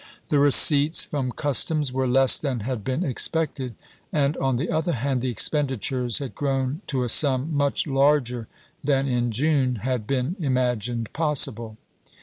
The receipts from customs were less than had been ex pected, and on the other hand the expenditures had grown to a sum much larger than in June had been imagined possible.